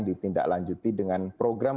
ditindaklanjuti dengan program